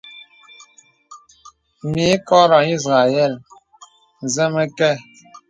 Mì kɔrə̄ ìzrəɛl zə məkə.